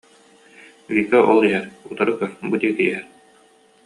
Вика ол иһэр, утары көр, бу диэки иһэр